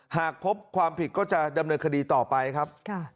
หากพบความผิดก็จะดำเนินคดีต่อไปครับ